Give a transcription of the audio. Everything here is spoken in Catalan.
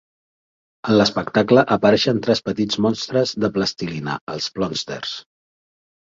En l'espectacle apareixen tres petits monstres de plastilina, els Plonsters.